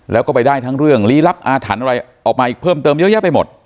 แล้วก็ไปได้ทั้งเรื่องลี้ลับอาถรรพ์อะไรออกมาอีกเพิ่มเติมเยอะแยะไปหมด